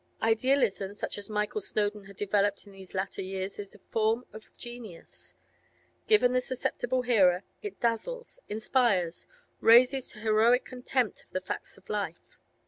Idealism such as Michael Snowdon had developed in these latter years is a form of genius; given the susceptible hearer, it dazzles, inspires, raises to heroic contempt of the facts of life.